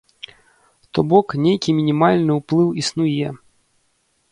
То бок, нейкі мінімальны ўплыў існуе.